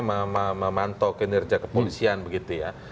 memantau kinerja kepolisian begitu ya